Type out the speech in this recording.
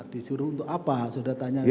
disuruh untuk apa sudah tanya